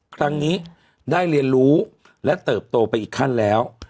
ครั้งนี้ได้เรียนรู้และเติบโตไปอีกขั้นแล้ว